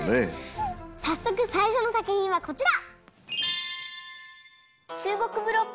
さっそくさいしょのさくひんはこちら。